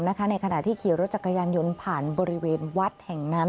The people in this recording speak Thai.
ในขณะที่ขี่รถจักรยานยนต์ผ่านบริเวณวัดแห่งนั้น